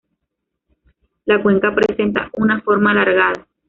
La cuenca presenta una forma alargada.